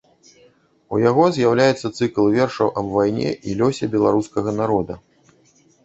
У яго з'яўляецца цыкл вершаў аб вайне і лёсе беларускага народа.